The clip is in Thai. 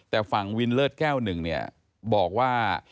แต่ฝั่งวินเลิศแก้วหนึ่งเนี่ยบอกว่า